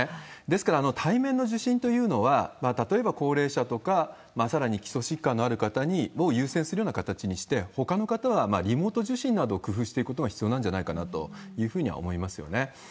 ですから、対面の受診というのは、例えば高齢者とか、さらに基礎疾患のある方を優先するような形にして、ほかの方はリモート受診などを工夫していくことが必要なんじゃないかなというふうには思いますよね。